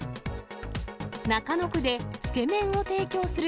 中野区でつけ麺を提供する